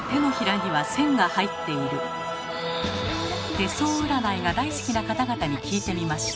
手相占いが大好きな方々に聞いてみました。